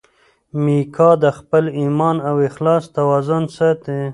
میکا د خپل ایمان او اخلاص توازن ساتي.